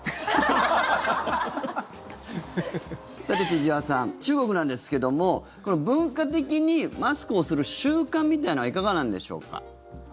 さて、千々岩さん中国なんですけども文化的にマスクをする習慣みたいなのはいかがなんでしょうか。